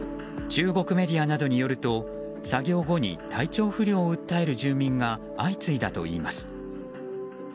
中国メディアなどによると作業後に体調不良を訴える住民が相次いだといいます。